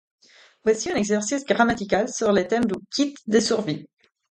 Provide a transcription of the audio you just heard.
Voici un exercice grammatical sur le thème du "Kit de survie".